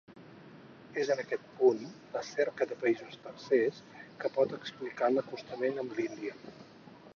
És en aquest punt, la cerca de països tercers, que pot explicar l'acostament amb l'Índia.